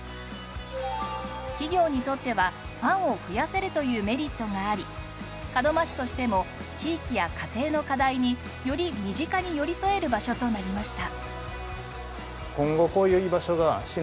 企業にとってはファンを増やせるというメリットがあり門真市としても地域や家庭の課題により身近に寄り添える場所となりました。